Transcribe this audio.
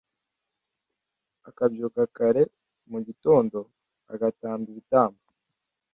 akabyuka kare mu gitondo agatamba ibitambo